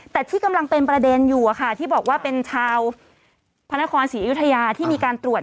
แต่ที่กำลังเป็นประเด็นอยู่ที่บอกว่าเป็นชาวพระนครศรีอยุธยาที่มีการตรวจ